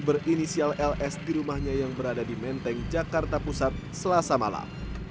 berinisial ls di rumahnya yang berada di menteng jakarta pusat selasa malam